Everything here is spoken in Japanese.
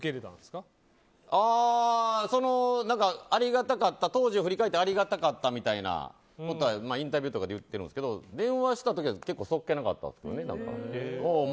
向こうは当時を振り返ってありがたかったみたいなことはインタビューとかで言ってるんですけど電話した時はちょっとそっけなかったですね。